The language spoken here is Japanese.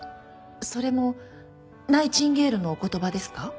それもナイチンゲールのお言葉ですか？